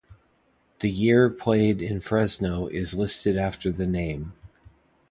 The year played in Fresno is listed after the name.